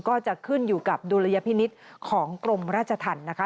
ก็จะขึ้นอยู่กับดุลยพินิษฐ์ของกรมราชธรรมนะคะ